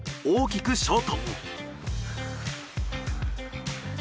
大きくショート。